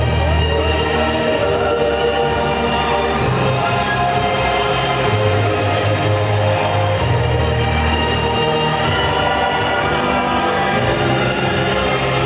สวัสดีสวัสดีสวัสดีสวัสดีสวัสดีสวัสดีสวัสดีสวัสดีสวัสดีสวัสดี